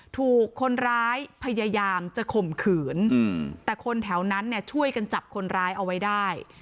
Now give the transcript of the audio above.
ถูกคนร้ายพยายามจะข่มขืนแต่คนแถวนั้นเนี่ยช่วยกันจับคนร้ายเอาไว้ได้